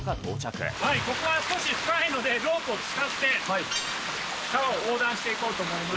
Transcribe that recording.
ここは少し深いので、ロープを使って川を横断していこうと思います。